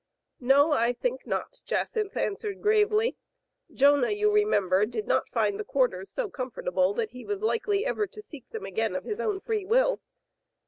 "No, I think not," Jacynth answered gravely. "Jonah, you remember, did not find the quarters so comfortable that he was likely ever to seek them again of his own free will.